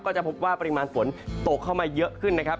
จะพบว่าปริมาณฝนตกเข้ามาเยอะขึ้นนะครับ